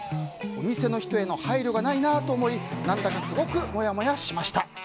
お店の人への配慮がないなと思い何だか、すごくもやもやしました。